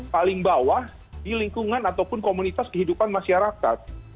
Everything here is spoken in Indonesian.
paling bawah di lingkungan ataupun komunitas kehidupan masyarakat